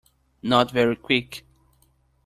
Not very Quick.